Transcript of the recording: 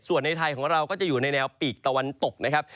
ส่วนในไทยของเราก็จะอยู่ในแนวปีกตะวันตกนะครับ